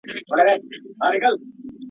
منظور مشر ..